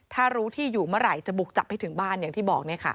ถ้ารู้ที่อยู่เมื่อไหร่จะบุกจับให้ถึงบ้านอย่างที่บอก